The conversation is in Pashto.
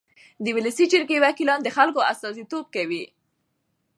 د ولسي جرګې وکیلان د خلکو استازیتوب کوي.